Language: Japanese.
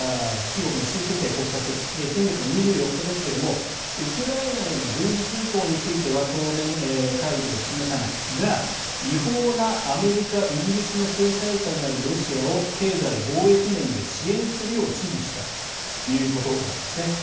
中国の習近平国家主席先月の２４日ですがウクライナへの軍事侵攻については当面、態度を示さないが違法なアメリカ、イギリスの制裁下にあるロシアを経済・貿易面で支援するよう指示したということです。